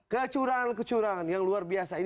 kecurangan kecurangan yang luar biasa ini